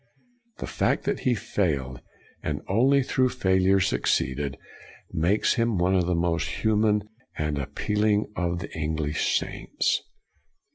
The fact that he failed, and only through failure succeeded, makes him one of the most human and appealing of the English saints.